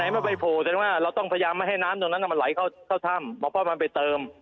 ถ้าใระบายโภงเราก็จะพยายามให้น้ำตรงนั้นไหลเข้าถ้ำเพราะบอกว่ามันมันไปเติม